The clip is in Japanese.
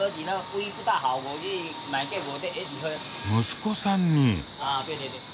息子さんに？